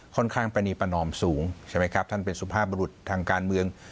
ค่อนข้างประนิปนอมสูงท่านเป็นสุภาพบริตรทางการเมือง